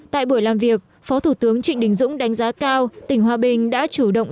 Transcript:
tại buổi làm việc phó thủ tướng trịnh đình dũng đánh giá cao tỉnh hòa bình đã chủ động